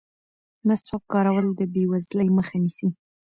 مسواک کارول د بې وزلۍ مخه نیسي.